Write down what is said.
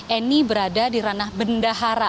eni berada di ranah bendahara